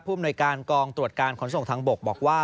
อำนวยการกองตรวจการขนส่งทางบกบอกว่า